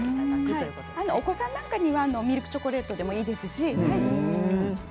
お子さんなんかにはミルクチョコレートでもいいですね。